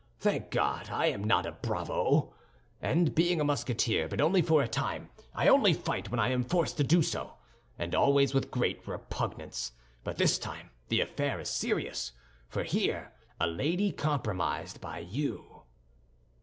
Thank God, I am not a bravo! And being a Musketeer but for a time, I only fight when I am forced to do so, and always with great repugnance; but this time the affair is serious, for here is a lady compromised by you."